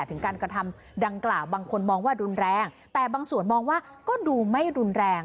ถึงการกระทำดังกล่าวบางคนมองว่ารุนแรงแต่บางส่วนมองว่าก็ดูไม่รุนแรง